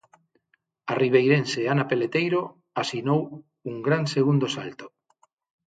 A ribeirense Ana Peleteiro asinou un gran segundo salto.